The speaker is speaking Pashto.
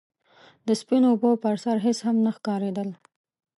د سپينو اوبو پر سر هيڅ هم نه ښکارېدل.